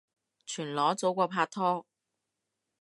全裸早過拍拖